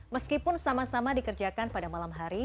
meskipun sama sama dikerjakan pada malam hari